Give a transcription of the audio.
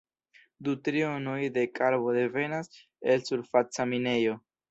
Du trionoj de karbo devenas el surfaca minejo.